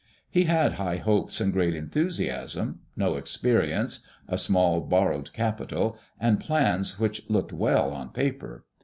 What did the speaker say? He had high hopes and great enthusiasm, no experience, a small, bor rowed capital, and plans which looked well on paper.